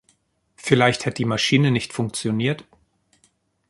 Vielleicht hat die Maschine nicht funktioniert.